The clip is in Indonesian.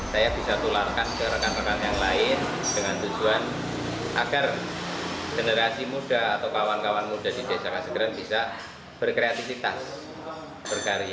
saya bisa tularkan ke rekan rekan yang lain dengan tujuan agar generasi muda atau kawan kawan muda di desa kasegeran bisa berkreativitas berkarya